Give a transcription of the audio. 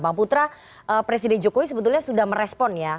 bang putra presiden jokowi sebetulnya sudah merespon ya